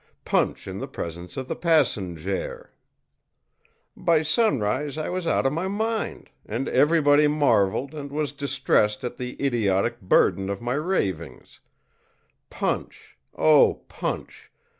punch in the presence of the passenjare.î By sunrise I was out of my mind, and everybody marveled and was distressed at the idiotic burden of my ravings ìPunch! oh, punch!